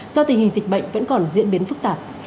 do tình hình dịch bệnh vẫn còn diễn biến phức tạp